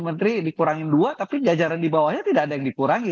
menteri dikurangin dua tapi jajaran di bawahnya tidak ada yang dikurangi